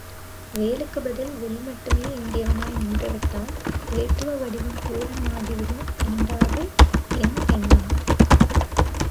வேலுக்குப் பதில் வில் மட்டுமே ஏந்தியவனாய் நின்றுவிட்டால், வேட்டுவ வடிவம் பூரணமாகி விடும் என்டாது என் எண்ணம்.